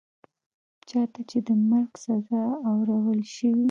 چا ته چي د مرګ سزا اورول شوې